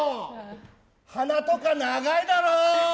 鼻とか長いだろー？